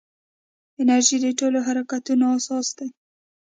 انرژي د ټولو حرکاتو اساس دی.